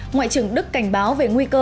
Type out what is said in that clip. ngoại trưởng đức cảnh báo về nguy cơ